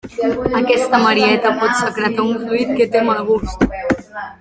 Aquesta marieta pot secretar un fluid que té mal gust.